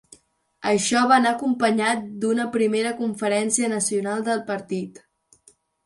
Això va anar acompanyat d'una Primera Conferència Nacional del partit.